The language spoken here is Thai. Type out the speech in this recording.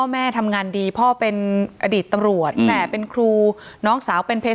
แม่ทำงานดีพ่อเป็นอดีตตำรวจแม่เป็นครูน้องสาวเป็นเพชร